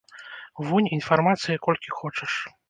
Вунь, інфармацыі колькі хочаш.